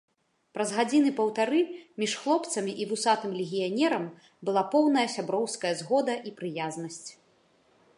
Праз гадзіны паўтары між хлопцамі і вусатым легіянерам была поўная сяброўская згода і прыязнасць.